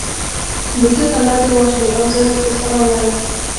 د ده بلا دې واخلي او زه ورته سلام وایم.